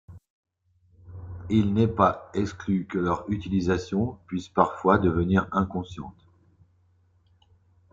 Il n'est pas exclu que leur utilisation puisse parfois devenir inconsciente.